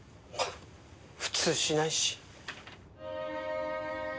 普通しないし。